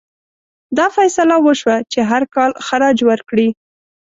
دا فیصله وشوه چې هر کال خراج ورکړي.